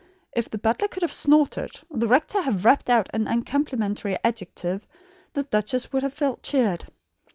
If the butler could have snorted, or the rector have rapped out an uncomplimentary adjective, the duchess would have felt cheered.